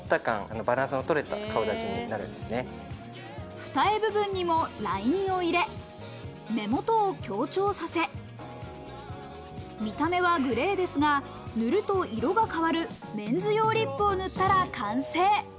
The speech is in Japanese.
二重部分にもラインを入れ、目元を強調させ、見た目はグレーですが、塗ると色が変わるメンズ用リップを塗ったら完成。